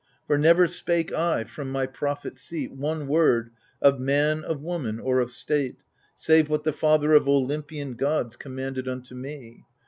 For never spake I from my prophet seat One word, of man, of woman, or of state. Save what the Father of Olympian gods Commanded unto me.